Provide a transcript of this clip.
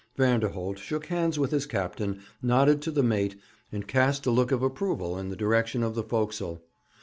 Vanderholt shook hands with his captain, nodded to the mate, and cast a look of approval in the direction of the forecastle.